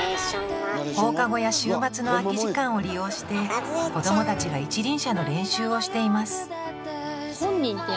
放課後や週末の空き時間を利用して子どもたちが一輪車の練習をしています